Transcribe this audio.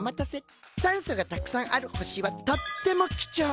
酸素がたくさんある星はとっても貴重！